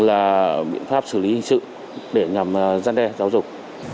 là biện pháp xử lý hình sự để nhằm gian đe giáo dục